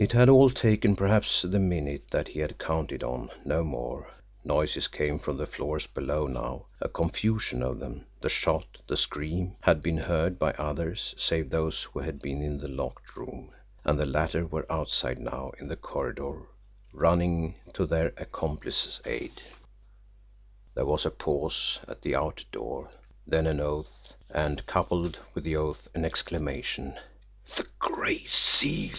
It had all taken, perhaps, the minute that he had counted on no more. Noises came from the floors below now, a confusion of them the shot, the scream had been heard by others, save those who had been in the locked room. And the latter were outside now in the corridor, running to their accomplice's aid. There was a pause at the outer door then an oath and coupled with the oath an exclamation: "The Gray Seal!"